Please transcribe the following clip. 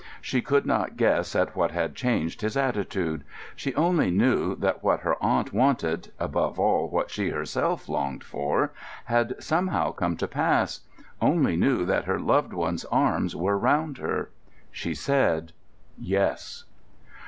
She could not guess at what had changed his attitude. She only knew that what her aunt wanted—above all, what she herself longed for—had somehow come to pass; only knew that her loved one's arms were round her. She said "Yes."